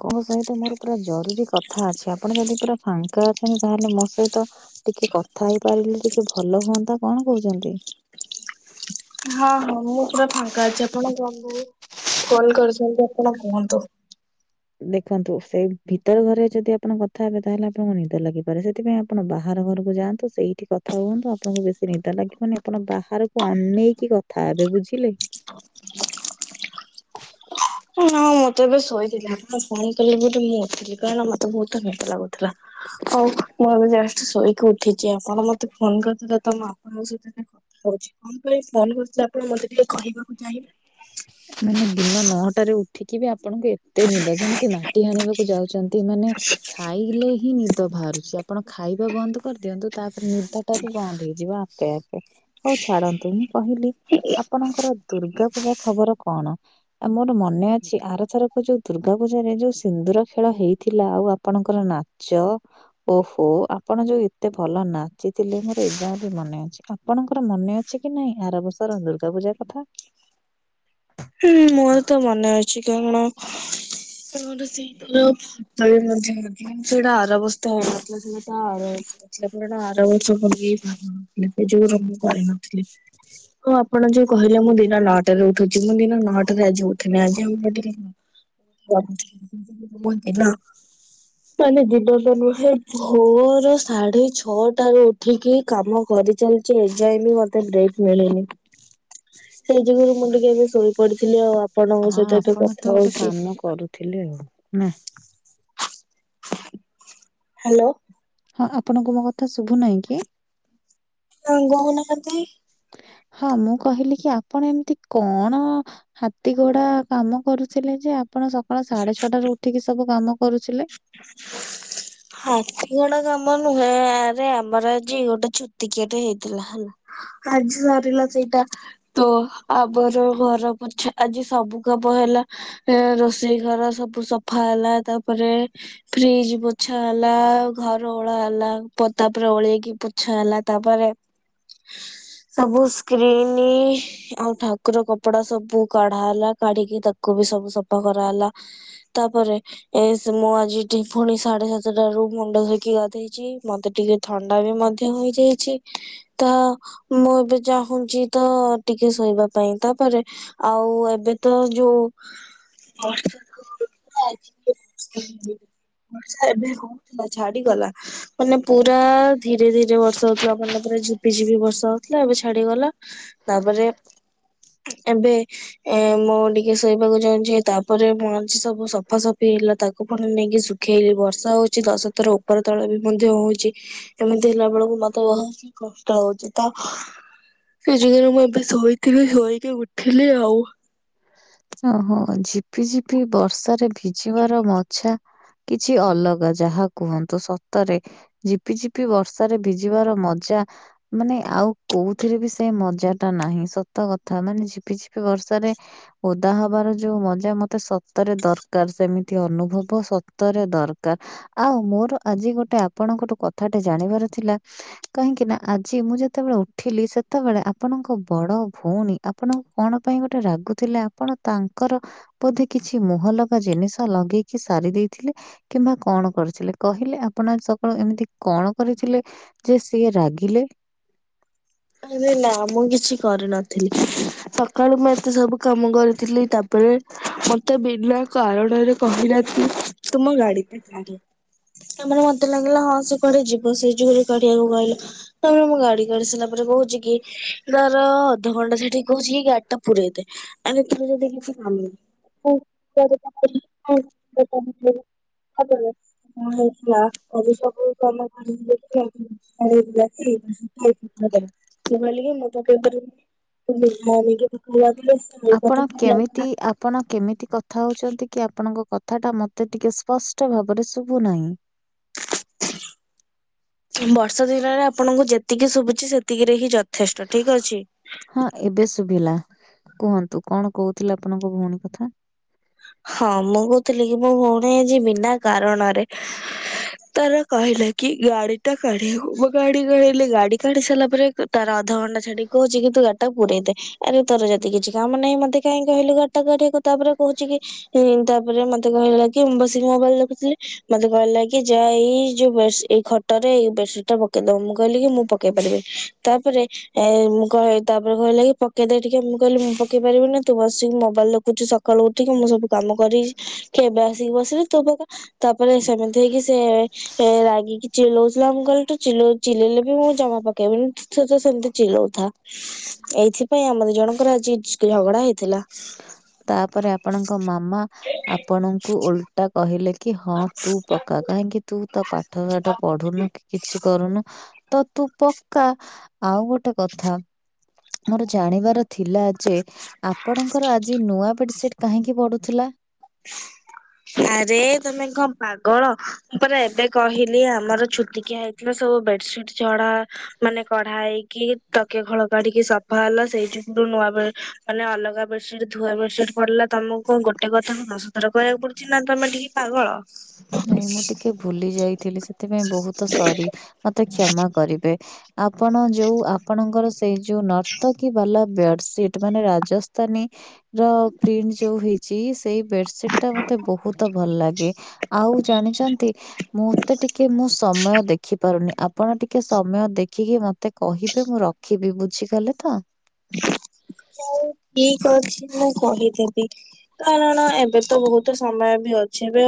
ତମ ସହିତ ମୋର ପୁରା ଜରୁରୀ କଥା କଥା ଅଛି ଆପଣ ଯଦି ପୁରା ଫାଙ୍କା ଅଛନ୍ତି ତାହେଲେ ମୋ ସହିତ ଟିକେ କଥା ହେଇ ପାରିଲେ ଟିକେ ଭଲ ହୁଅନ୍ତା କଣ କହୁଛନ୍ତି? ହଁ ହଁ ମୁଁ ପୁରା ଫାଙ୍କା ଅଛି ଆପଣ ଫୋଲ କରିୁଛନ୍ତି ଆପଣ କୁହନ୍ତୁ। ଦେଖନ୍ତୁ ସେଇ ଭିତର ଘରେ ଯଦି ଆପଣ କଥା ହେବେ ତାହେଲେ ଆପଣଙ୍କୁ ନିଦ ଲାଗିପାରେ ସେଥିପାଇଁ ଆପଣ ବାହାର ଘରକୁ ଯାଆନ୍ତୁ ସେଇଠି କଥା ହୁଅନ୍ତୁ ଆପଣଙ୍କୁ ବେଶୀ ନିଦ ଲାଗିବନି ଆପଣ ବାହାରକୁ ଅନେଇକି ଥାବେ ବୁଝିଲେ କି? ନାଁ ମୁଁ ତ ଏବେ ଶୋଇଥିଲି ଆପଣ ଫୋନ କଲେ ବୋଲି ମୁଁ ଉଥିଲି କାରଣ ମତେ ବହୁତ ନିଦ ଲାଗୁଥି [unintelligible] ଶୋଇକି ଉଠିଛି ଆପଣ ମତେ ଫୋନ କରିଦେଥିଲେ ତମ ଆପଣଙ୍କ ସହିତ କଥା ହଉଛି। କଣ ପାଇଁ ଫୋନ କରୁଛି ଆପଣ ମତେ ଟିକେ କହିବାକୁ ଚାହିଁବେ। ମାନେ ଦିନ ନଅଟାରେ ଏଠିକି ବି ଆପଣଙ୍କୁ ଏତେ ନିଦ ଯେମିତି ମାଟି ହାଣିବାକୁ ଯାଉଛନ୍ତି ମାନେ ଖାଇଲେ ହିଁ ନିଦ ବାହାରୁଛି ଆପଣ ଖାଇବା ବନ୍ଦ କରିଦିଅନ୍ତୁ ତାପରେ ନିଦ ତାକୁ ବନ୍ଦ ହେଇଯିବ ଆପେ ଆପେ ହଉ ଛାଡନ୍ତୁ ମୁଁ କହିଲି ଆପଣଙ୍କର ଦୁର୍ଗା ଥିବା ଖବର କଣ? ଆ ମୋର ମନେ ଅଛି ଆରଥରକ ଯୋଉ ଦୁର୍ଗା ପୂଜାରେ ଯୋଉ ସିନ୍ଦୁର ଖେଳ ହେଇଥିଲା ଆଉ ଆପଣଙ୍କର ନାଚ ଓହୋ ଆପଣ ଯୋଉ ଏତେ ଭଲ ନାଚିଥିଲେ ମୋର ଏା ବି ମନେ ଅଛି। ଆପଣଙ୍କର ମନେ ଅଛି କି ନାଇଁ ଆର ବର୍ଷର ଦୁର୍ଗା ପୂଜା କଥା। ହୁଁ ମୋର ତ ମନେ ଅଛି। କାରଣ ଆର ସେଇ ଫତ ବି ମଧ୍ୟ। ମ ସେଇଟା ଆର ବସ୍ତା ହେ ଏଥିଲା ସେଇା ତ ଆର ପଟା ଆର ବର୍ଷ। ଯୋଉ ରଙ୍ଗ କରିନଥିଲି ଆଉ ଆପଣ ଯୋଉ କହିଲେ ମୁଁ ଦିନ ନଅଟାରେ ଉଠୁ ଆଜି ମୁଁ ଦିନ ନଅଟାରେ ଆଜି ଉଠିନ ଆଜି ମୁଁ ଉଠି [unintelligible] ମାନେ ଯିବାନ ନୁହଁ ଭୋର ସାଢେ ଛଅଟ ର ଉଠିକି କାମ କରିଚାଲି ଏ ଯାଏଁ ବି ମୋତେ ବ୍ରେକ୍ ମିଳେନି। ସେଇ ଯୁଗରୁ ମୁଁ ଟିକେ ଏବେ ଶୋଇ ପଡିଥିଲି ଆଉ ଆପଣଙ୍କ ସହିତ ଏିକେ କଥା ହଉଛି। ଥିଲେ ଆଉ ନା। ହ୍ୟାଲୋ ହଁ ଆପଣଙ୍କୁ ମୋ କଥା ଶୁଭୁ ନାହିଁ କି? ହଁ ଗୌନପତି। ହଁ ମୁଁ କହିଲି କି ଆପଣ ଏମତି କଣ ହାତୀ ଘୋଡା କାମ କରୁଥିଲେ ଯେ ଆପଣ ସକାଳ ସାଡେ ଛଅଟାରୁ ଉଠିକି ସବୁ କାମ କରୁଥିଲେ। ହ ହାତୀ ଘୋଡା କାମ ନୁହେଁ ଆରେ ଆମର ଆଜି ଗୋଟେ ଛୁତିକିଆଟେ ହେଇଥିଲା ହେଲା। ଆଜି ସରିଲା ସେଇଟା। ତ ଆମର ଘର ପୋଛା ଆଜି ସବୁ କାମ ହେଲା। ଏଁ ରୋଷେଇ ଘର ସବୁ ସଫା ହେଲା ତାପରେ ଫ୍ରିଜ ପୋଛା ହେଲା ଘର ଓଳା ହେଲା ପ ତାପରେ ଓଳେଇକି ପୋଛା ହେଲା ତାପରେ ହ ସବୁ ସ୍କ୍ରିନ୍ ଆଉ ଠାକୁର କପଡା ସବୁ କଢା ହେଲା କାଢିକି ତାକୁ ବି ସବୁ ସଫା କରା ହେଲା। ତାପରେ ଏସ୍ ମୁଁ ଆଜି ଟି ଫୁଣି ସାଡେ ସାତେଟା ରୁ ମୁଣ୍ଡ ଧୋଇକି ଗାଧେଇଛି ମତେ ଟିକେ ଥଣ୍ଡା ବି ମଧ୍ୟ ହେଇଯାଇଚି। ତ ମୁଁ ଏବେ ଚାହୁଁଚି ତ ଟିକେ ଶୋଇବା ପାଇଁ ତାପରେ ଆଉ ଏବେ ତ ଯୋଉ ବର୍ଷା [inaudible] [inaudible] ବର୍ଷା ଏବେ ହଉ ଥିଲା ଛାଡି ଗଲା। ମାନେ ପୁରା ଧୀରେ ଧୀରେ ବର୍ଷା ହଉ ଥିଲା ମାନେ ପୁରା ଝିପି ଝିପି ବର୍ଷା ହଉଥିଲା ଏବେ ଛାଡିଗଲା। ତାପରେ ଏବେ ଏ ମୁଁ ଟିକେ ଶୋଇବାକୁ ଯାଉଛି ତାପରେ ମୁଁ ଆଜି ସବୁ ସଫା ସ ଫି ହେଲା ତାକୁ ଫୁଣି ନେଇକି ଶୁଖେଇଲି ବର୍ଷା ହଉଛି ଦଶ ଥର ଉପର ତଳ ବି ମଧ୍ୟ ହଉଛି। ଏମିତି ହେଲା ବେଳକୁ ମତେ ବହୁତ କଷ୍ଟ ହଉଚି ତ ଏ ଯେ-ଯେ-ଯୋଉ ମୁଁ ଏବେ ଶୋଇଥିଲି ଶୋଇକି ଉଠିଲି ଆଉ। ଅହୋ ଝିପି ଝିପି ବର୍ଷାରେ ଭିଜିବାର ମଛା କିଛି ଅଲଗା ଯାହା କୁହନ୍ତୁ ସତରେ। ଝିପି ଝିପି ବର୍ଷାରେ ଭିଜିବାର ମଜା ମାନେ ଆଉ କୋଉଥିରେ ବି ସେ ମଜା ଟା ନାହିଁ ସତ କଥା ମାନେ ଝିପି ଝିପି ବର୍ଷାରେ ଓଦା ହବାର ଯୋଉ ମଜା ମତେ ସତରେ ଦରକାର ସେମିତି ଅନୁଭବ ସତରେ ଦରକାର। ଆଉ ମୋର ଆଜି ଗୋଟେ ଆପଣଙ୍କଠୁ କଥାଟେ ଜାଣିବାର ଥିଲା କାହିଁକି ନା ଆଜି ମୁଁ ଯେତେବେଳେ ଉଠିଲି ସେତେବେଳେ ଆପଣଙ୍କ ବଡ ଭଉଣୀ ଆପଣଙ୍କୁ କଣ ପାଇଁ ଗୋଟେ ରାଗୁ ଥିଲେ ଆପଣ ତାଙ୍କର ବୋଧେ କିଛି ମୁହଁ ଲଗା ଜିନିଷ ଲଗେଇକି ସାରି ଦେଇଥିଲେ କିମ୍ବା କଣ କରିଥିଲେ କହିଲେ ଆପଣ ଆଜି ସକାଳୁ ଏମିତି କଣ କରିଥିଲେ ଯେ ସିଏ ରାଗିଲେ? ଆରେ ନା ମୁଁ କିଛି କରିନଥିଲି। ସକାଳୁ ମୁଁ ଏତେ ସବୁ କାମ କରିଥିଲି ତାପରେ ମତେ ବିନା କାରଣରେ କହିଲା କି ତୁ ମୋ ଗାଡି କି [unintelligible] ତାପରେ ମତେ ଲାଗିଲା ହଁ ସେ କୁଆଡେ ଯିବ ସେଇ ଯୁଗୁରେ କାଢିଆକୁ କହିଲା। ତାପରେ ମୁଁ ଗାଡି କାଢି ସାଇଲା ପରେ କହୁଛି କି ରହ ରହ ଅଧ ଘଣ୍ଟା ଛାଡି କହୁଚି ଗାଡି ଟା ପୁରେଇ ଦେ। ଆରେ ତୋର ଯଦି କିଛି କାମ ନାହିଁ [inaudible] ହବନି। କଣ ହେଇଥିଲା ଅଭିପ୍ସା କୁ [unintelligible] [unintelligible] ମୁଁ କହିଲି କି ମୁଁ ତ [unintelligible] ପାରିବିନି [unintelligible] ମମି କି [unintelligible] ସେ ଏଇ ଆପଣ କଥା ଶୁଣି କେମିତି ରାଗିଲା। ଆପଣ କେମିତି କଥା ହଉଚନ୍ତି କି ଆପଣଙ୍କ କଥା ଟା ମତେ ଟିକେ ସ୍ପଷ୍ଟ ଭାବରେ ଶୁଭୁନାହିଁ। ହୁଁ ବର୍ଷା ଦିନରେ ଆପଣଙ୍କୁ ଯେତିକି ଶୁଭୁଛି ସେତିକି ରେ ହିଁ ଯ ଥେଷ୍ଟ ଠିକ୍ ଅଛି। ହଁ ଏବେ ଶୁଭିଲା। କୁହନ୍ତୁ କଣ କହୁଥିଲେ ଆପଣଙ୍କ ଭଉଣୀ କଥା ହଁ ମୁଁ କହୁଥିଲି କି ମୋ ଭଉଣୀ ଆଜି ବିନା କାରଣରେ ତାର କହିଲା କି ଗାଡି ଟା କାଢେଇ ଗାଡି କଢେଇଲି ଗାଡି କାଢି ସାରିଲା ପରେ ତାର ଅଧଘଣ୍ଟା ଛାଡିକ କହୁଛି କି ତୁ ଗା ପୁରଇ ଦେେ ଆରେ ତୋର ଯଦି କିଛି କାମ ନାହିଁ ମତେ କାହିଁ କହିଲୁ ଗାଡିଟା ଗକୁ ତାପରେ କହୁଛି କି ତାପରେ ମତେ କହିଲା କି ମୁ ବସିକି ମୋବାଇଲ ଦେଖୁଥିଲି ମତେ କହିଲ କି ଯାହା ଏଇ ଯୋଉ ବ ଏଇ ଖଟ ରେ ଏଇ ବେଡସିଟ୍ ଟା ପକେଇଦବ ମୁଁ କହିଲି ମୁଁ ପକେଇ ପାରିବେ ତାପରେ ଏ ମୁଁ କହଲି ତାପରେ କହିଲା କି ପକେଇଦ ଟିକେ ମୁଁ କହିଲି ମୁଁ ପକେଇ ପାରିବିନି ତୁ ବସିକି ମୋବାଇଲ ଦେଖୁଛୁ ସକାଳୁ ଉଠି ଟିକେ ମୁଁ ସବୁ କାମ କରିଛି ଏବେ ଆସିକି ବସିଲି ତୋ ପାକା ତାପରେ ସେମିତି ହେଇକି ସେ ହେ ରାଗିିକି ଚିଲଉଥିଲା ମୁ କାଲେୁ ଚିଲ ଚିଲେଇଲେ ବି ମୁଁ ଜମା ପକେଇବିନି ତ ସେମିତି ଚିଲଉଥା ଏଇଥିପାଇଁ ଆମର ଜଣଙ୍କର ଆଜି ଝଗଡା ହେଇଥିଲା। ତାପରେ ଆପଣଙ୍କ ମାମା ଆପଣଙ୍କୁ ଓଲଟା କହିଲେ କି ହଁ ହଁ ତୁ ପକ୍କା କାହିଁକି ତୁ ତ ପାଠ ସାଠ ପଢୁନୁ କି କିଛି କରୁନୁ ତ ତୁ ପକ୍କା ଆଉ ଗୋଟେ କଥା ମୋର ଜାଣିବାର ଥିଲା। ଯେ ଆପଣଙ୍କର ଆଜି ନୂଆ ବେଡ୍ସିଟ୍ କାହିଁକି ପଢୁଥିଲା ଆରେ ତମେ କଣ ପାଗଳ ମୁଁ ପରା ଏବେ କହିଲି ଆମର ଛୁତିକିଆ ହେଇଛି ସବୁ ବେଡସିଟ୍ ଡା ମାନେ କଢା ହେଇକି ତକେ ଖଳ କାଢିକି ସଫା ହେଲା ସେଇଠୁ ନୂଆ ମାନେ ଅଲଗାେଡସିଟ୍ ଧୁଆ ବେଡଟ୍ ପଡିଲା ତମକୁ ଗୋଟେ ତମକୁ ଦଶଥର କହିବାକୁ ପଡୁଛି ନା ତମେ ଟିକେ ପାଗଳ ନାଇଁ ମୁଁ ଟିକେ ଭୁଲି ଯାଇଥିଲି ସେଥିପାଇଁ ବହୁତ ସରି ମତେ କ୍ଷମା କରିବେ ଆପଣ ଯୋଉ ଆପଣଙ୍କର ସେଇ ଯୋଉ ନର୍ତ କିୀ ବାଲା ବେଡସିଟ୍ ମାନେ ରାଜସ୍ଥାନୀ ରାଜସ୍ଥାନୀ ପ୍ରିଣ୍ଟ ଯୋଉ ହେଇଛି ସେଇ ବେଡସିଟ ଟା ମତେ ବହୁତ ଭଲ ଲାଗେ, ଆଉ ଜାଣିଛନ୍ତି ମତେ ଟିକେ ମୁଁ ସମୟ ଦେଖିପାରୁନି। ଆପଣ ଟିକେ ସମୟ ଦେଖିକି ମତେ କହିବେ ମୁଁ ରଖିବି ବୁଝିଗଲେ ତ [inaudible] ହଉ ଠିକ ଅଛି ମୁଁ କହିଦେବି। କାରଣ ଏବେ ତ ବହୁତ ସମୟ ବି ଅଛି ଏବେ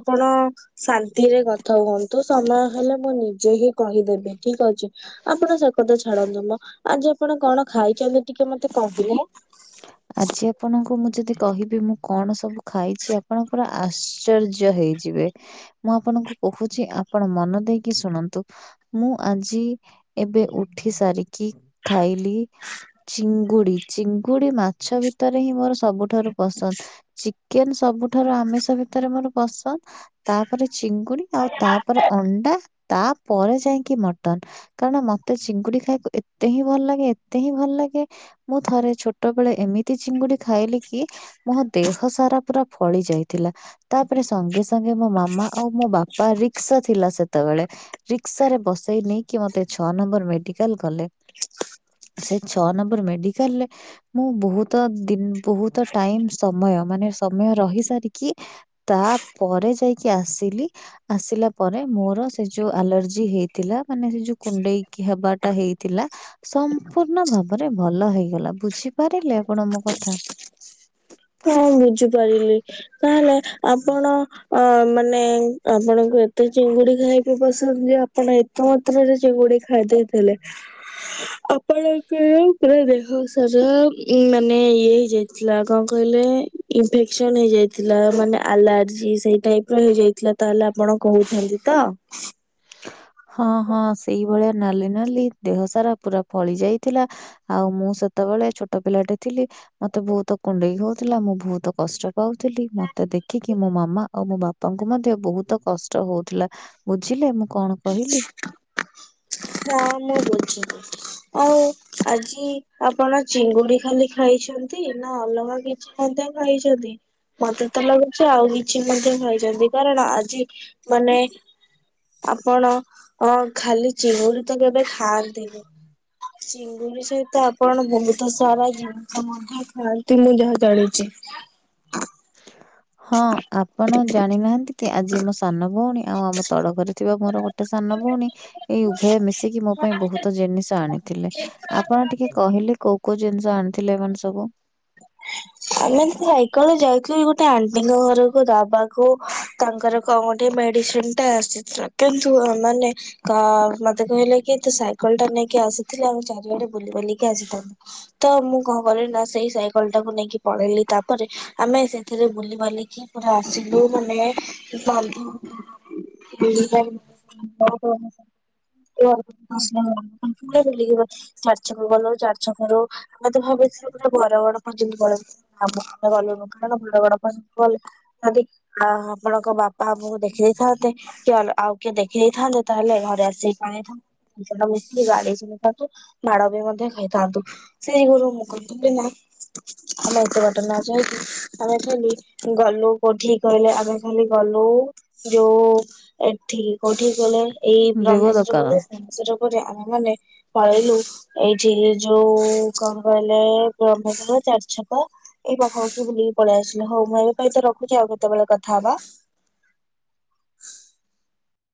ଆପଣ [inaudible] ଶାନ୍ତିରେ କଥା ହୁଅନ୍ତୁ ସମୟ ହେଲେ ମୁଁ ନିଜେ ହିଁ କହିଦେବି ଠିକ ଅଛି [unintelligible] ଆପଣ ସେ କଥା ଛାଡନ୍ତୁ ମ ଆଜି ଆପଣ କଣ ଖାଇଛନ୍ତି ଟିକେ ମତେ କହୁିଲେ। ଆଜି ଆପଣଙ୍କୁ ମୁଁ ଯଦି କହିବି ମୁଁ କଣ ସବୁ ଖାଇଛି ଆପଣଙ୍କ ପୁର ଆ ଆଶ୍ଚର୍ଯ୍ୟ ହେଇଯିବେ ମୁଁ ଆପଣଙ୍କୁ କହୁଛି ଆପଣ ମନ ଦେଇକି ଶୁଣନ୍ତୁ ମୁଁ ଆଜି ଏବେ ଉଠି ସାରିକି ଖାଇଲି ଚିଙ୍ଗୁଡି ଚିଙ୍ଗୁଡି ମାଛ ଭିତରେ ହିଁ ମୋର ସବୁଠାରୁ ପସନ୍ଦ ଚିକେନ ସବୁଠାରୁ ଆମିଷ ଭିତରେ ମୋର ପସନ୍ଦ ତାପରେ ଚିଙ୍ଗୁଡି ଆଉ ତାପରେ ଅଣ୍ଡା ତାପରେ ଯାଇକି ମଟନ କାରଣ ମତେ ଚିଙ୍ଗୁଡି ଖାଇବାକୁ ଏତେ ହିଁ ଭଲ ଲାଗେ ଏତେ ହିଁ ଭଲ ଲାଗେ ମୁଁ ଥରେ ଛୋଟ ଛୋଟବେେଳେ ଏମିତି ଚିଙ୍ଗୁଡି ଖାଇଲି କି ମୋ ଦେହ ସାରା ପୁରା ଫଳି ଯାଇଥିଲା ତାପରେ ସଙ୍ଗେ ସଙ୍ଗେ ମୋ ମାମା ଆଉ ମୋ ବାପା ରିକ୍ସା ଥିଲା ସେତେବେଳେ ରିକ୍ସା ରେ ବସେଇ ନେଇକି ମତେ ଛଅ ନମ୍ବର ମେଡିକାଲ ଗଲେ ସେ ଛଅ ନମ୍ବର ମେଡିକାଲରେ ମୁଁ ବହୁତ ଦ ବହୁତ ଟାଇମ ସମୟ ମାନେ ସମୟ ରହି ସାରିକି ତା ପରେରେ ଯାଇକି ଆସିଲି ଆସିଲା ପରେ ମୋର ସେ ଯୋଉ ଆଲର୍ଜି ହେଇଥିଲା ମାନେ ସେ ଯୋଉ କୁଣ୍ଡେଇକି ହବାଟା ହେଇଥିଲା [unintelligible] ସମ୍ପୂର୍ଣ୍ଣ ଭାବରେ ଭଲ ହେଇଗଲା ବୁଝିପାରିଲେ ଆପଣ ମୋ କଥା। ହଁ ବୁଝିପାରିଲି ତାହେଲେ ଆପଣ ଅ ମାନେ ଆପଣଙ୍କୁ ଏତେ ଚିଙ୍ଗୁଡି ଖାଇକି ପସନ୍ଦ ଯେ ଆପଣ, ମାତ୍ରରେ ସେଗୁଡେ ଖାଇଦେଇଥିଲେ [inaudible] ଆପଣଙ୍କର ପୁରା ଦେହ ସାରା ଉ ମାନେ ଇଏ ହେଇଯାଇଥିଲା କଣ। କହିଲେ ଇନଫେକ୍ସନ ହେଇଯାଇଥିଲା ମାନେ ଆଲାର୍ଜି ସେଇ ଟାଇପ ର ହେଇଯାଇଥିଲା। ତାହେଲେ ଆପଣ କହୁଛନ୍ତି ତ? ହଁ ହଁ ସେଇଭଳିଆ ନାଲି ନାଲି ଦେହ ସାରା ପୁରା ଫଳି ଯାଇଥିଲା। ଆଉ ମୁଁ ସେତେବେଳେ ଛୋଟ ପିଲାଟେ ଥିଲି ମତେ ବହୁତ କୁଣ୍ଡେଇ ହଉଥିଲା ମୁଁ ବହୁତ କଷ୍ଟ ପାଉଥିଲି ମତେ ଦେଖିକି ମୋ ମାମା ଆଉ ମୋ ବା ତାଙ୍କୁ ମଧ୍ୟ ବହୁତ କଷ୍ଟ ହଉଥିଲା ବୁଝିଲେ ମୁଁ କଣ କହିଲି? ହଁ ମୁଁ ଦୋଉଛି ଆଉ ଆଜି ଆପଣ ଚିଙ୍ଗୁଡି ଖାଲି ଖାଇଛନ୍ତି ନା ଅଲଗା କି କି ମଧ୍ୟ ଖାଇଛନ୍ତି ମତେ ତ ଲାଗୁଛି ଆଉ କିଛି ମଧ୍ୟ ଖାଇଛନ୍ତି। କାରଣ ଆଜି ମାନେ ଆପଣ ଅ ଖାଲି ଯିଏ ଯେମିତି କରିବ ହାରଦେଇ ଗୁଲୁ ସହିତ ଆପଣ ବହୁତ ସାରା ଜିନିଷ ମଧ୍ୟ ଥାଆନ୍ତି ମୁଁ ଯାହା ଜାଣିଛି। ହଁ ଆପଣ ଜାଣିନାହାନ୍ତି କି ଆଜି ମୋ ସାନ ଭଉଣୀ ଆଉ ଆମ ତଡ ଘରେ ଥିବା ମୋର ଗୋଟେ ସାନ ଭଉଣୀ ଏଇ ଉଭୟ ମିଶିକି ମୋ ପାଇଁ ବହୁତ ଜିନିଷ ଆଣିଥିଲେ ଆପଣ ଟିକେ କହିଲେ କୋଉ କୋଉ ଜିନିଷ ଆଣିଥିଲେ ମାନେ ସବୁ ହ ଆମେ ଏକଳ ଯାଇଥିଲୁ ଗୋଟେ ଆଣ୍ଟିଙ୍କ ଘରକୁ ଦବାକୁ ତାଙ୍କର କଣ ଗୋଠେ ମେଡିସିନ ଟା ଆସିଥିଲା କିନ୍ତୁ ଆ ମାନେ କା ମତେ କହିଲେ କି ତୁ ସାଇକେଲ ଟା ନେଇକି ଆସିଥିଲି ଆଉ ଆମେ ଚାରିଆଡେ ବୁଲି ବୁଲିକି ଆସିଥାନ୍ତୁ। ତ ମୁଁ କଣ କଲି ନା ସେଇ ସାଇକେଲ ଟାକୁ ନେଇକି ପଳେଇଲି ତାପରେ ଆମେ ସେଥିରେ ବୁଲି ବାଲିକି ପୁରା ଆସିଲୁ ମାନେ [unintelligible] କୁହ? [unintelligible] ବରଗଡ ପହଁଚିଲୁ କାଳେ ଆମେ ଗଲୁନୁ କାରଣ ବରଗଡ ପଞ୍ ଗଲେ ଆପଣଙ୍କ ବାପା ଆମକୁ ଦେଖିଦେଇଥାନ୍ତେ। କିଏଲୋ ଆଉ କିଏ ଦେଖିଦେଇଥାନ୍ତେ ତାହେଲେ ଘରେ ଆସିକି ପାଇଥାନ୍। ଜନା ବହୁତ ବାଡ଼େଇଛି ମୁଁ ତାକୁ ମାଡବି ମଧ୍ୟ ଖାଇଥାନ୍ତୁ ସେଇଗୁରୁ ମୁଁ କି ଏବେ ନା ଆମେ ଏତେ ବାଟ ନଯାଇକି ଆମେ ଖାଲି ଗଲୁ କୋଉଠି କହିଲେ ଆମେ ଖାଲି ଗଲୁ ଯୋଉ ଏଠିକି କୋଉଠିକି ଗଲେ ଏଇ ଦେବ ରାମେଶ୍ୱର ଦୋକାନ। ଗଲେ। ରେ ଆମେ ମାନେ ପଳେଇଲୁ ଏଇଠି ଯୋଉ କଣ କହି ଏ ବର୍ଣ୍ଣ ଯାକ ଚାରିଛକ। ଏଇ ପାଖ ପାଖି ବୁଲିକି ପଳେଇ ଆସିଲେ ହୋଉ ମୁଁ ଏବେ ତ ରଖୁଛି ଆଉ କେତେବେଳେ କଥା ହବା।